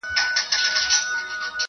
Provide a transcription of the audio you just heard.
له حملو د ګیدړانو د لېوانو -